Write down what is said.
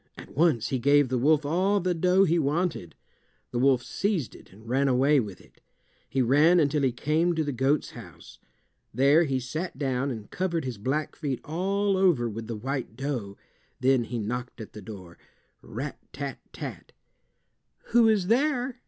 At once he gave the wolf all the dough he wanted. The wolf seized it and ran away with it. He ran until he came to the goat's house. There he sat down and covered his black feet all over with the white dough. Then he knocked at the door—rat tat tat! "Who is there?"